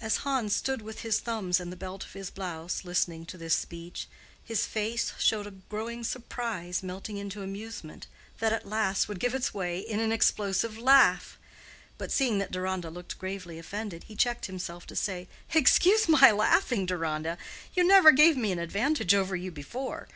As Hans stood with his thumbs in the belt of his blouse, listening to this speech, his face showed a growing surprise melting into amusement, that at last would have its way in an explosive laugh: but seeing that Deronda looked gravely offended, he checked himself to say, "Excuse my laughing, Deronda. You never gave me an advantage over you before.